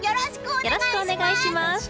よろしくお願いします！